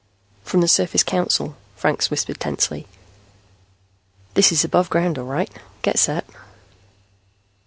"From the Surface Council," Franks whispered tensely. "This is above ground, all right. Get set."